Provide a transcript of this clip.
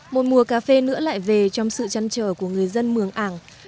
một mùa cà phê nữa lại về trong sự chăn trở của người dân mường ảng